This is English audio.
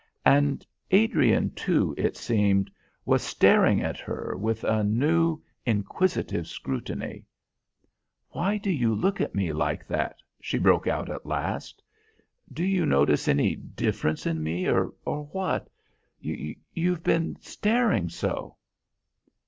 And Adrian, too, it seemed, was staring at her with a new, inquisitive scrutiny. "Why do you look at me like that?" she broke out at last. "Do you notice any difference in me, or what? You you've been staring so!"